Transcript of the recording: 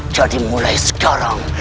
jadi mulai sekarang